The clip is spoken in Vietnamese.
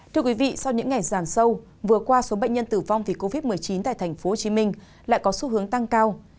thưa quý vị sau những ngày giảm sâu vừa qua số bệnh nhân tử vong vì covid một mươi chín tại tp hcm lại có xu hướng tăng cao